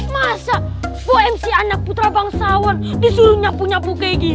masa fomc anak putra bangsawan disuruh nyapu nyapu kayak gini